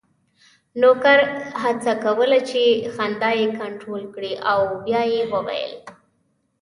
نوکر هڅه کوله چې خندا یې کنټرول کړي او بیا یې وویل: